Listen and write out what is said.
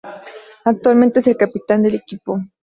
Actualmente es el capitán del equipo.